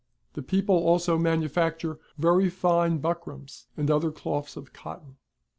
The peo|)le also manufacture very fine buckrams and other cloths of cotton.